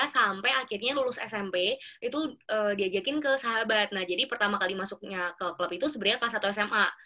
sampai akhirnya lulus smp itu diajakin ke sahabat nah jadi pertama kali masuknya ke klub itu sebenarnya kelas satu sma